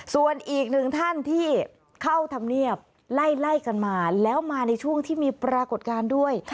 ส่วนอีกหนึ่งท่านที่เข้าธรรมเนียบไล่กันมาแล้วมาในช่วงที่มีปรากฏการณ์ด้วย